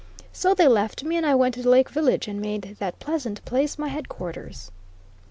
So they left me and I went to Lake Village, and made that pleasant place my headquarters.